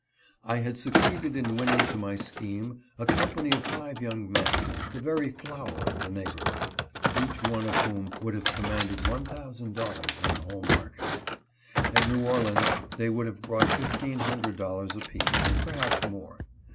I had succeeded in winning to my scheme a company of five young men, the very flower of the neighborhood, each one of whom would have commanded one thousand dollars in the home market. At New Orleans they would have brought fifteen hundred dollars apiece, and perhaps more.